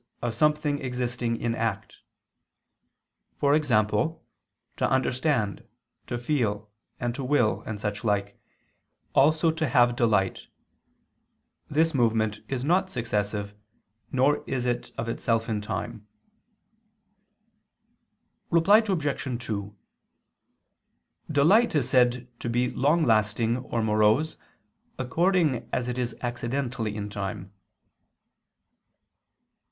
of something existing in act," e.g. to understand, to feel, and to will and such like, also to have delight. This movement is not successive, nor is it of itself in time. Reply Obj. 2: Delight is said to be long lasting or morose, according as it is accidentally in time.